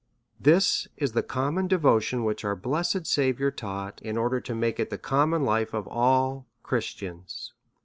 This is the common devotion which our blessed Sa viour taught, in order to make it the common life of all Christians.